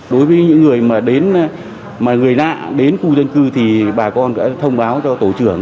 đối với những người mà đến mà người nạ đến khu dân cư thì bà con đã thông báo cho tổ trưởng